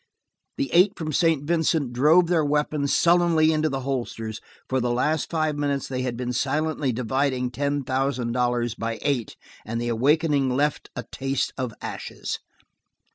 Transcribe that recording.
The eight from St. Vincent drove their weapons sullenly into the holsters; for the last five minutes they had been silently dividing ten thousand dollars by eight, and the awakening left a taste of ashes.